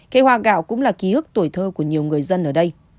cây hoa gạo cũng là ký ức tuổi thơ của nhiều người dân ở đây